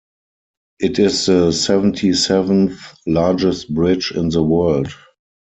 It is the seventy-seventh largest bridge in the world.